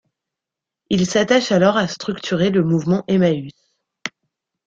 Il s'attache alors à structurer le mouvement Emmaüs.